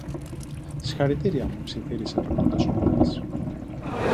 Συγχαρητήρια, μου ψιθύρισε περνώντας ο Μπόμπης